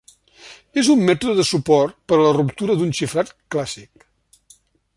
És un mètode de suport per a la ruptura d'un xifrat clàssic.